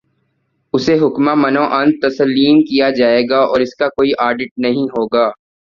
اسے حکما من و عن تسلیم کیا جائے گا اور اس کا کوئی آڈٹ نہیں ہو گا۔